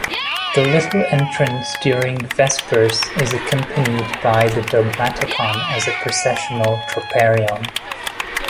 The Little Entrance during Vespers is accompanied by the Dogmaticon as a processional troparion.